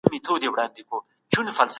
د جرګي تالار به په ملي بیرغونو ښکلی سوی و.